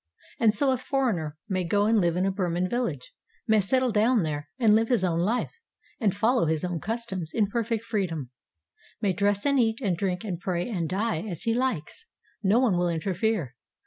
And so a foreigner may go and live in a Burman village, may settle down there and live his own life and follow his own customs in perfect freedom, may dress and eat and drink and pray and die as he likes. No one will interfere.